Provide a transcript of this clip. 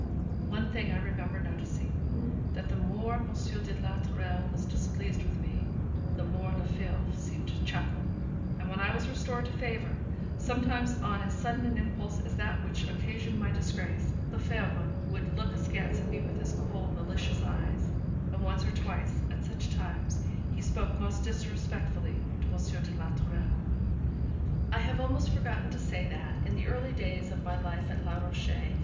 One thing I remember noticing, that the more M. de la Tourelle was displeased with me, the more Lefebvre seemed to chuckle; and when I was restored to favour, sometimes on as sudden an impulse as that which occasioned my disgrace, Lefebvre would look askance at me with his cold, malicious eyes, and once or twice at such times he spoke most disrespectfully to M. de la Tourelle. I have almost forgotten to say that, in the early days of my life at Les Rochers, M.